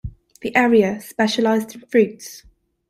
The area specialised in fruits.